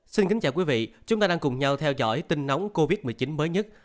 xin kính chào quý vị chúng ta đang cùng nhau theo dõi tin nóng covid một mươi chín mới nhất